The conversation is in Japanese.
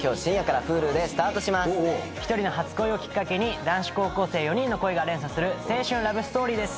１人の初恋をきっかけに男子高校生４人の恋が連鎖する青春ラブストーリーです。